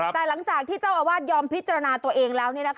แต่หลังจากที่เจ้าอาวาสยอมพิจารณาตัวเองแล้ว